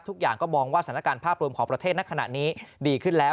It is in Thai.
ทุกอย่างก็มองว่าสถานการณ์ภาพรวมของประเทศณขณะนี้ดีขึ้นแล้ว